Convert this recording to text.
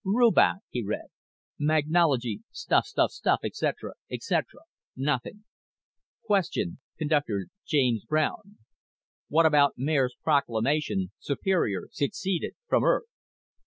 "Rubach," he read, "Magnology stuff stuff stuff etc. etc. Nothing. "Q. (Conductor Jas Brown) Wht abt Mayor's proclamation Superior seceded frm Earth?